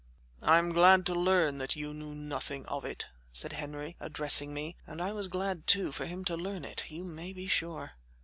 "I am glad to learn that you knew nothing of it," said Henry, addressing me; and I was glad, too, for him to learn it, you may be sure.